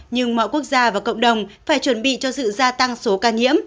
nhưng mọi quốc gia và cộng đồng phải chuẩn bị cho sự gia tăng số ca nhiễm